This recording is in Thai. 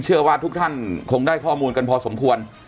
เชื่อว่าทุกท่านคงได้ข้อมูลกันพอสมควร